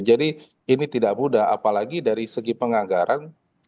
jadi ini tidak mudah apalagi dari segi penganggaran